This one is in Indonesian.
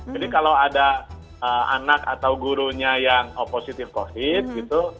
jadi kalau ada anak atau gurunya yang opositif covid gitu